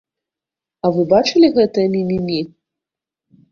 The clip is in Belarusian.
А вы бачылі гэтае мімімі?